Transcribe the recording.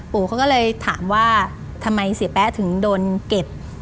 เขาก็เลยถามว่าทำไมเสียแป๊ะถึงโดนเก็บ